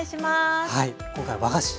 今回和菓子。